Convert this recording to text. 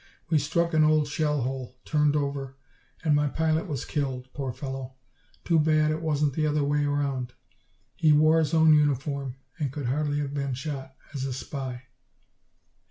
We struck an old shell hole, turned over, and my pilot was killed, poor fellow! Too bad it wasn't the other way round. He wore his own uniform, and could hardly have been shot as a spy."